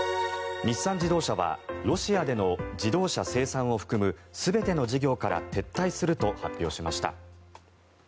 日産自動車はロシアでの自動車生産を含む全ての事業から撤退すると発表しました。